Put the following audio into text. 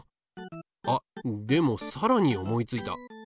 あでもさらに思いついた。